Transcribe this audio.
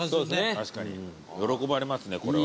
確かに喜ばれますねこれは。